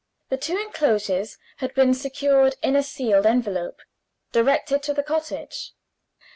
The two inclosures had been secured in a sealed envelope, directed to the cottage.